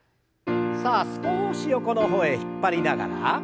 さあ少し横の方へ引っ張りながら。